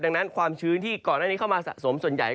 ดังนั้นความชื้นที่ก่อนหน้านี้เข้ามาสะสมส่วนใหญ่